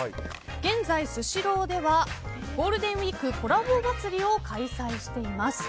現在、スシローではゴールデン・ウィークコラボ祭を開催しています。